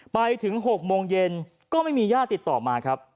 ไปถึง๖โมงเย็นก็ไม่มีญาติติดต่อมาครับ